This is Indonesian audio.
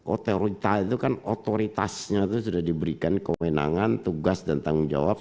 otorita itu kan otoritasnya itu sudah diberikan kewenangan tugas dan tanggung jawab